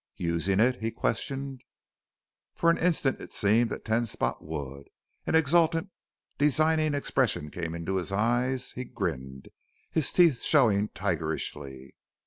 "Using it?" he questioned. For an instant it seemed that Ten Spot would. An exultant, designing expression came into his eyes, he grinned, his teeth showing tigerishly.